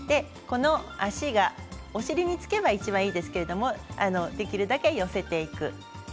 足がお尻につけばいちばんいいですけれどできるだけ寄せていく。